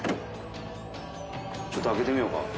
ちょっと開けてみようか。